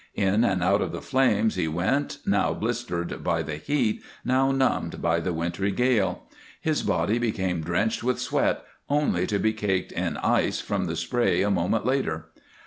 In and out of the flames he went, now blistered by the heat, now numbed by the wintry gale. His body became drenched with sweat, only to be caked in ice from the spray a moment later.